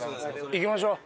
行きましょう。